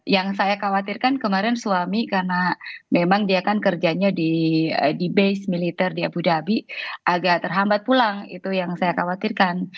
yang saya khawatirkan kemarin suami karena memang dia kan kerjanya di base militer di abu dhabi agak terhambat pulang itu yang saya khawatirkan